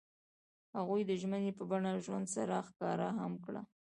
هغوی د ژمنې په بڼه ژوند سره ښکاره هم کړه.